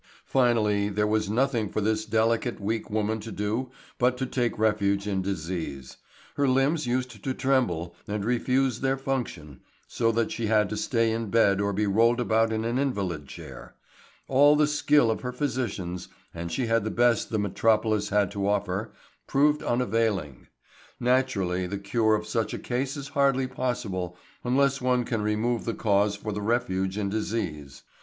Finally, there was nothing for this delicate, weak woman to do but to take refuge in disease. Her limbs used to tremble and refuse their function, so that she had to stay in bed or be rolled about in an invalid chair. All the skill of her physicians and she had the best the metropolis had to offer proved unavailing. Naturally the cure of such a case is hardly possible unless one can remove the cause for the refuge in disease.